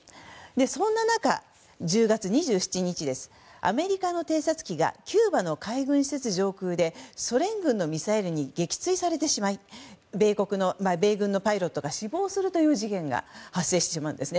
そんな中、１０月２７日アメリカの偵察機がキューバの海軍施設上空でソ連軍のミサイルに撃墜されてしまい米軍のパイロットが死亡するという事件が発生してしまうんです。